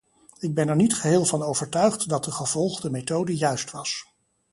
Ik ben er niet geheel van overtuigd dat de gevolgde methode juist was.